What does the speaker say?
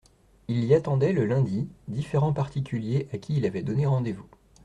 Il y attendait, le lundi, différents particuliers à qui il avait donné rendez-vous.